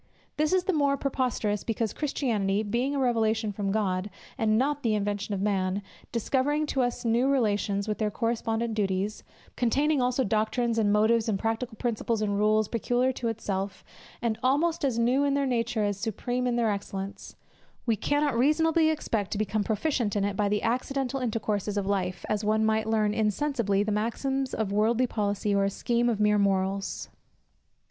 This is the more preposterous, because Christianity, being a revelation from God, and not the invention of man, discovering to us new relations, with their correspondent duties; containing also doctrines, and motives, and practical principles, and rules, peculiar to itself, and almost as new in their nature as supreme in their excellence, we cannot reasonably expect to become proficients in it by the accidental intercourses of life, as one might learn insensibly the maxims of worldly policy, or a scheme of mere morals.